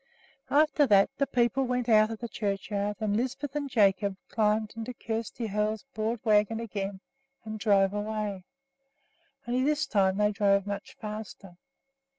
After that the people went out of the churchyard, and Lisbeth and Jacob climbed into Kjersti Hoel's broad wagon again and drove away, only this time they drove much faster.